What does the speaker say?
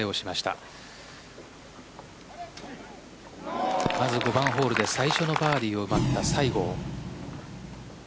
まず、５番ホールで最初のバーディーを奪った西郷。